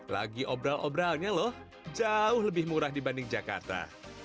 lagi obral obralnya loh jauh lebih murah dibanding jakarta